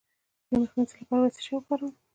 د مخ د مینځلو لپاره باید څه شی وکاروم؟